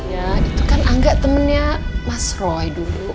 ya itu kan angga temennya mas roy dulu